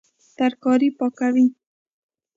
ترکاري پاکوي